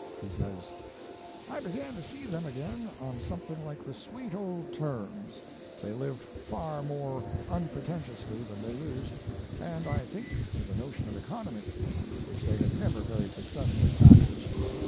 He says: "I began to see them again on something like the sweet old terms. They lived far more unpretentiously than they used, and I think with a notion of economy, which they had never very successfully practised.